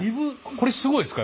これすごいっすか？